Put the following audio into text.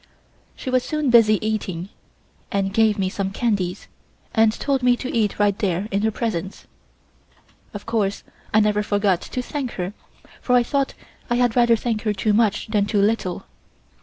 She was soon busy eating, and gave me some candies, and told me to eat right there in her presence. Of course I never forgot to thank her, for I thought I had rather thank her too much than too little.